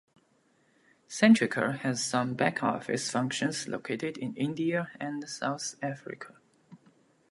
Centrica has some back office functions located in India and South Africa.